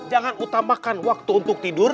jangan utamakan waktu untuk tidur